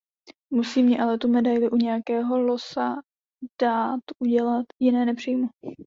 Musí mně ale tu medailli u nějakého Loosa dát udělat — jiné nepřijmu!